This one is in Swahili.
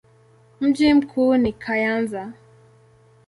Mji mkuu ni Kayanza.